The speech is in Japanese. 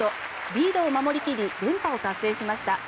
リードを守り切り連覇を達成しました。